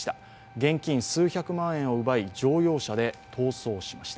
現金数百万円を奪い乗用車で逃走しました。